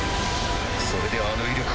それであの威力か。